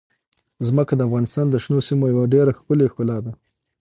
ځمکه د افغانستان د شنو سیمو یوه ډېره ښکلې ښکلا ده.